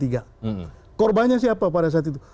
korbannya siapa pada saat itu